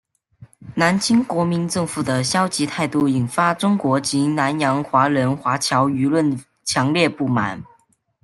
南京国民政府的消极态度引发中国及南洋华人华侨舆论强烈不满。